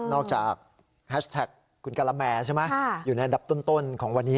จากแฮชแท็กคุณกะละแมใช่ไหมอยู่ในอันดับต้นของวันนี้